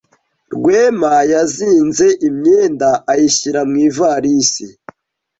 Rwema yazinze imyenda ayishyira mu ivarisi.